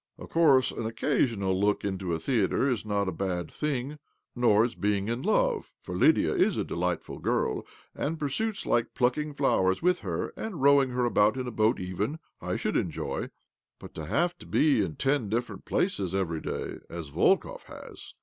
Of course, an occasional look into a theatre is not a bad thing, nor is being in love — for Lydia is a delightful girl, and pursuits like plucking flowers with her and rowing her about in a boat even I should enjoy ; but to have to be in ten different places every day, as Volkov has